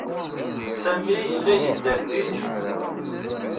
Sami yella yedder din.